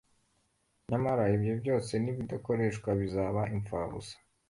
Nyamara ibyo byose nibidakoreshwa bizaba imfabusa